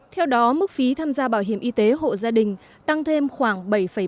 theo đó mức phí tham gia bảo hiểm y tế hộ gia đình tăng thêm khoảng bảy tám